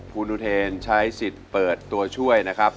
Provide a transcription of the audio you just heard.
คุณอุเทนใช้สิทธิ์เปิดตัวช่วยนะครับ